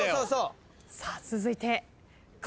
さあ続いて昴